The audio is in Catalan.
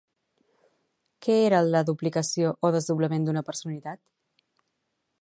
Què era la duplicació o desdoblament d'una personalitat?